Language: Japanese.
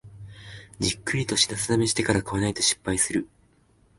じっくりと品定めしてから買わないと失敗する